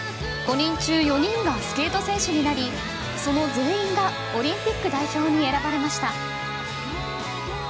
５人中４人がスケート選手になりその全員がオリンピック代表に選ばれました。